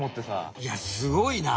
いやすごいな！